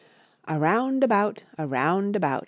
Around about , Around about.